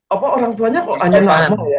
apa orang tuanya kok hanya ngomong ya